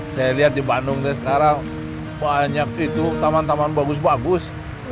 saya lihat di bandung sekarang banyak itu taman taman bagus bagus